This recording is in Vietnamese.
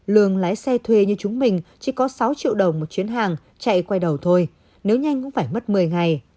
lương lái xe thuê như chúng mình chỉ có sáu triệu đồng một chuyến hàng chạy quay đầu thôi nếu nhanh cũng phải mất một mươi ngày